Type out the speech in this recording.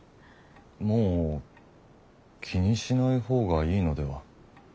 もう気にしない方がいいのでは？